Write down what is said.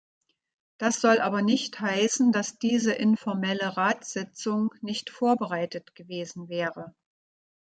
Das soll aber nicht heißen, dass diese informelle Ratssitzung nicht vorbereitet gewesen wäre.